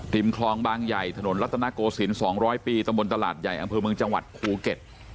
ปริมคลองบางใหญ่ถนนลัตนโกศิลป์สองร้อยปีตะบนตลาดใหญ่อำเภอเมืองจังหวัดภูเก็ต